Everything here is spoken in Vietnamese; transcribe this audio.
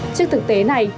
trước thực tế này